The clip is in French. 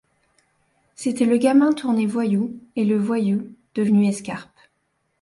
C’était le gamin tourné voyou, et le voyou devenu escarpe.